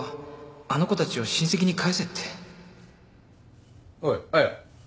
あの子たちを親戚に返せっておい彩。